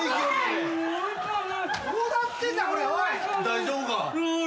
大丈夫か？